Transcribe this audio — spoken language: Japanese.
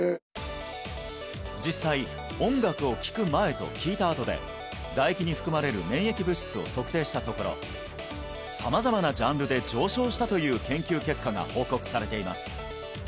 実際音楽を聴く前と聴いたあとで唾液に含まれる免疫物質を測定したところ様々なジャンルで上昇したという研究結果が報告されています